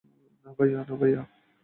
না, ভাইয়া।